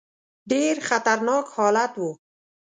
ډېر خطرناک حالت وو.